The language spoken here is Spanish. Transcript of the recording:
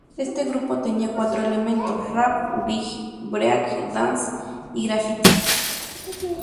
Este grupo tenía cuatro elementos rap, dj, break dance y grafiti.